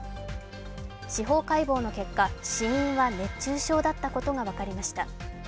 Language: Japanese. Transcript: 司法解剖の結果、死因は熱中症だったことが分かりました。